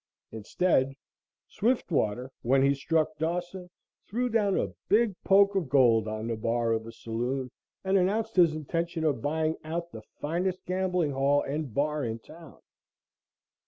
Instead, Swiftwater, when he struck Dawson, threw down a big poke of gold on the bar of a saloon and announced his intention of buying out the finest gambling hall and bar in town.